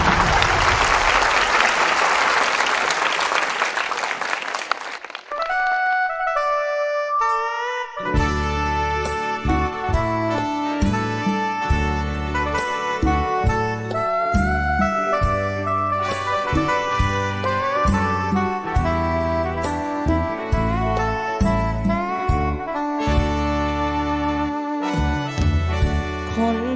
เชิญด้วยเอง